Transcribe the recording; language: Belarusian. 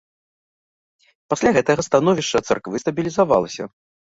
Пасля гэтага становішча царквы стабілізавалася.